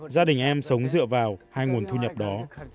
gia đình em sống dựa vào hai nguồn thu nhập đó